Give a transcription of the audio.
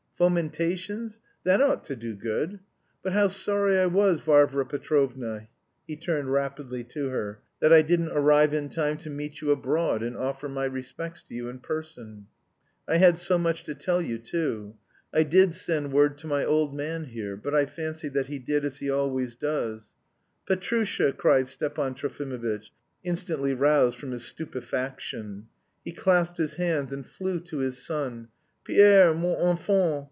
Fomentations? That ought to do good. But how sorry I was, Varvara Petrovna" (he turned rapidly to her) "that I didn't arrive in time to meet you abroad, and offer my respects to you in person; I had so much to tell you too. I did send word to my old man here, but I fancy that he did as he always does..." "Petrusha!" cried Stepan Trofimovitch, instantly roused from his stupefaction. He clasped his hands and flew to his son. "_Pierre, mon enfant!